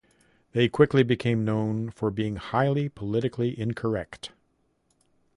They quickly became known for being highly politically incorrect.